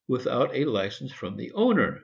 without a license from the owner, &c.